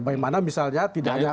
bagaimana misalnya tidak hanya